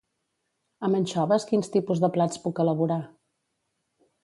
Amb anxoves quins tipus de plats puc elaborar?